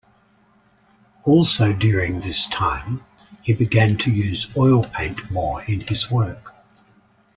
Also during this time, he began to use oil paint more in his work.